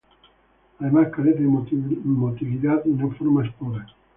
Además carece de motilidad y no forma esporas.